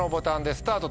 スタート！